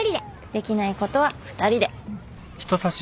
できないことは二人で。